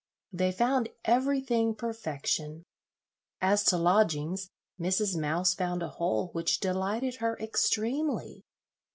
They found everything perfection. As to lodgings, Mrs. Mouse found a hole which delighted her extremely.